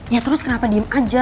ya terus kenapa diem aja